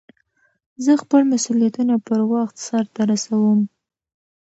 زه خپل مسئولیتونه پر وخت سرته رسوم.